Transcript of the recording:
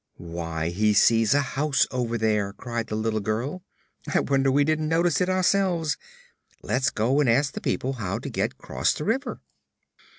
"Why, he sees a house over there!" cried the little girl. "I wonder we didn't notice it ourselves. Let's go and ask the people how to get 'cross the river."